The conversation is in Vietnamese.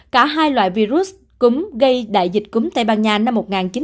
cả hai loại virus cúm gây đại dịch cúm tây ban nha năm một nghìn chín trăm bảy mươi